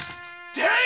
出会え！